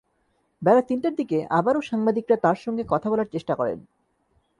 বেলা তিনটার দিকে আবারও সাংবাদিকেরা তাঁর সঙ্গে কথা বলার চেষ্টা করেন।